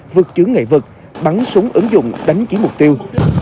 vượt chứng ngại vật bắn súng ứng dụng đánh chỉ mục tiêu